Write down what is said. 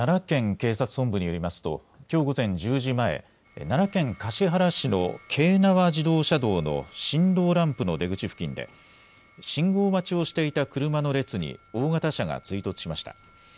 警察本部によりますときょう午前１０時前、奈良県橿原市の京奈和自動車道の新堂ランプの出口付近で信号待ちをしていた車の列に大型車が追突しました。